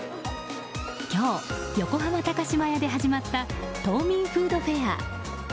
今日、横浜高島屋で始まった凍眠フードフェア。